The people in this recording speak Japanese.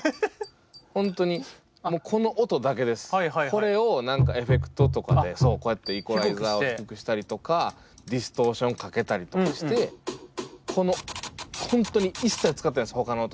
これを何かエフェクトとかでこうやってイコライザーを低くしたりとかディストーションかけたりとかしてこの本当に一切使ってないですほかの音。